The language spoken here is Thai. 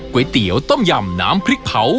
ก๋วยเตี๋ยวต้มยำน้ำพริกเผา